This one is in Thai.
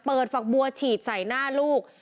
ฝักบัวฉีดใส่หน้าลูก